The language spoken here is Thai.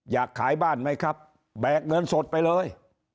อยากขายบ้านไหมครับแบกเงินสดไปเลย